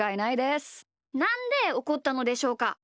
なんでおこったのでしょうか？